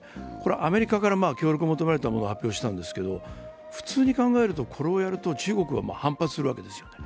アメリカから協力を求められたものを発表したんですけれども、普通に考えると、これをやると中国は反発するわけです。